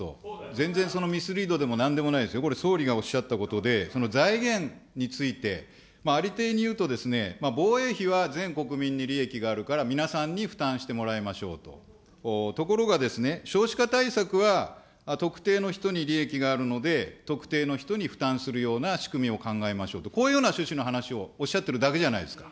全然そのミスリードでもなんでもないですよ、これ、総理がおっしゃったことで、財源について、ありていにいうとですね、防衛費は全国民に利益があるから、皆さんに負担してもらいましょうと、ところがですね、少子化対策は特定の人に利益があるので、特定の人に負担するような仕組みを考えましょうと、こういうような趣旨の話をおっしゃってるだけじゃないですか。